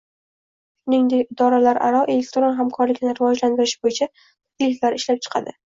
shuningdek, idoralararo elektron hamkorlikni rivojlantirish bo'yicha takliflar ishlab chiqadi.